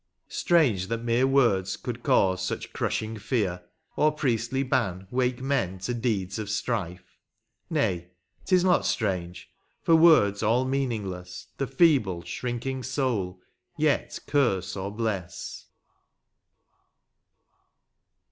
Strange that mere words could cause such crushing fear, Or priestly ban wake men to deeds of strife ; Nay, 't is not strange, for words all meaningless The feeble, shrinking soul yet curse or bless.